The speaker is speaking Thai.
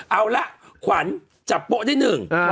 เอาละขวัญจับโป๊ะได้หนึ่ง